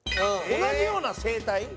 同じような生態。